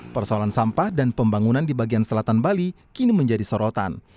persoalan sampah dan pembangunan di bagian selatan bali kini menjadi sorotan